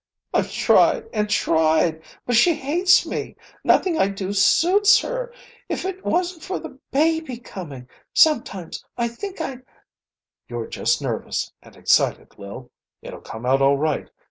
"I've tried and tried. But she hates me. Nothing I do suits her. If it wasn't for the baby coming sometimes I think I'd " "You're just nervous and excited, Lil. It'll come out all right.